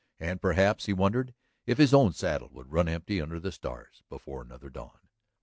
And perhaps he wondered if his own saddle would run empty under the stars before another dawn.